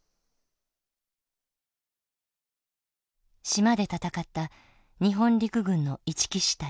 島で戦った日本陸軍の一木支隊。